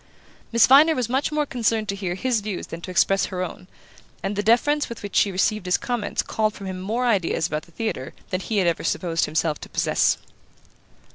Miss Viner was much more concerned to hear his views than to express her own, and the deference with which she received his comments called from him more ideas about the theatre than he had ever supposed himself to possess.